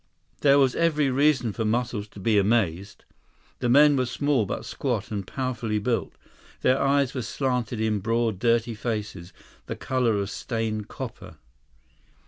There was every reason for Muscles to be amazed. The men were small but squat and powerfully built. Their eyes were slanted in broad, dirty faces, the color of stained copper.